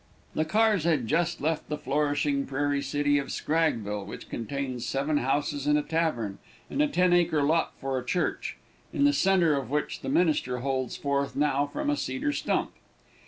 The cars had just left the flourishing prairie city of Scraggville, which contains seven houses and a tavern, and a ten acre lot for a church, in the centre of which the minister holds forth now from a cedar stump.